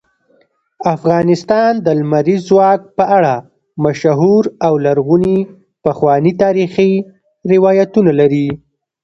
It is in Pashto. افغانستان د لمریز ځواک په اړه مشهور او لرغوني پخواني تاریخی روایتونه لري.